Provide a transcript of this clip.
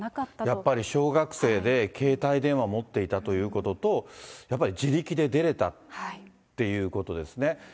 やっぱり小学生で、携帯電話持っていたということと、やっぱり自力で出れたっていうことですね。